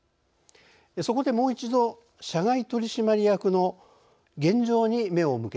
そこでもう一度社外取締役の現状に目を向けてみます。